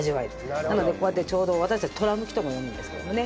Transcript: なのでこうやってちょうど私たちトラ剥きとも言うんですけどもね。